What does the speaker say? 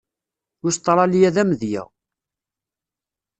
Ustṛalya d amedya.